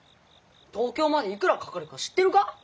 東京までいくらかかるか知ってるか？